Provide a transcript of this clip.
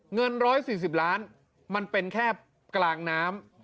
เงิน๑๔๐ล้านมันเป็นแค่กลางน้ำ